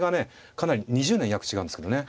かなり２０年約違うんですけどね。